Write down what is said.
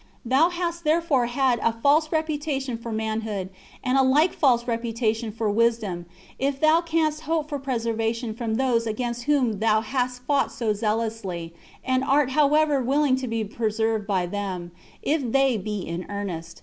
Thou hast therefore had a false reputation for manhood, and a like false reputation for wisdom, if thou canst hope for preservation from those against whom thou hast fought so zealously, and art however willing to be preserved by them, if they be in earnest.